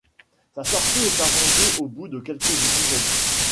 Sa sortie est arrangée au bout de quelques épisodes.